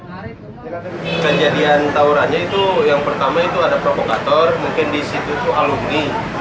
kejadian tawurannya itu yang pertama itu ada provokator mungkin di situ itu alumni